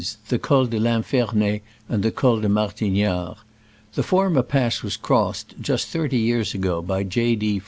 the Col de rinfernet and the Col de Martignare. The former pass was crossed just thirty years ago by J. D.